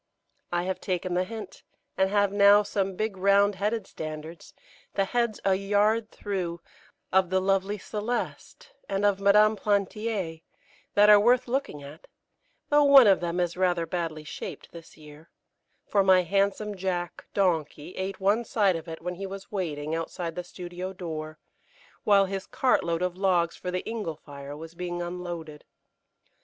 I have taken the hint, and have now some big round headed standards, the heads a yard through, of the lovely Celeste and of Madame Plantier, that are worth looking at, though one of them is rather badly shaped this year, for my handsome Jack (donkey) ate one side of it when he was waiting outside the studio door, while his cart load of logs for the ingle fire was being unloaded.